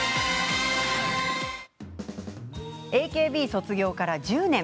ＡＫＢ卒業から１０年。